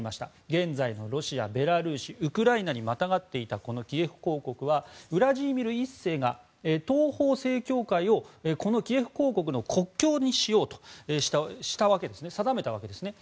現在のロシア、ベラルーシウクライナにまたがっていたこのキエフ公国はウラジーミル１世が東方正教会をこのキエフ公国の国教にしようと定めたわけですね。